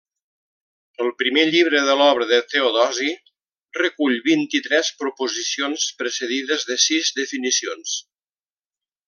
El primer llibre de l’obra de Teodosi recull vint-i-tres proposicions, precedides de sis definicions.